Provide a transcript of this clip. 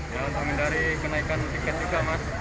yang menghindari kenaikan tiket juga mas